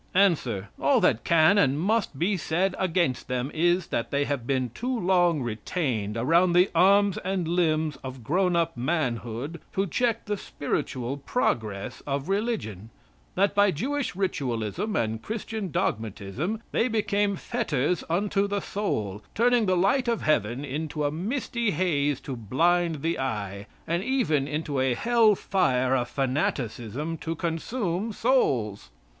A. "All that can and must be said against them is that they have been too long retained around the arms and limbs of grown up manhood to check the spiritual progress of religion; that by Jewish ritualism and Christian dogmatism they became fetters unto the soul, turning the light of heaven into a misty haze to blind the eye, and even into a Hell fire of fanaticism to consume souls."